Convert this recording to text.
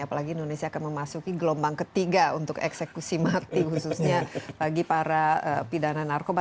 apalagi indonesia akan memasuki gelombang ketiga untuk eksekusi mati khususnya bagi para pidana narkoba